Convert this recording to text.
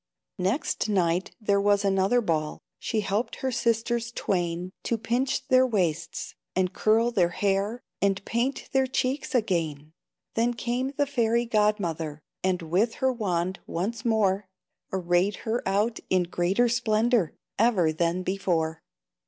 Next night there was another ball; She helped her sisters twain To pinch their waists, and curl their hair, And paint their cheeks again. Then came the fairy Godmother, And, with her wand, once more Arrayed her out in greater splendor Even than before.